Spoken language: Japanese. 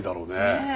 ねえ。